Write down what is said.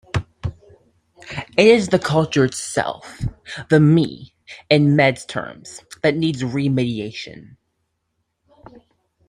It is the cultured self, the "me", in Mead's terms, that needs re-mediation'.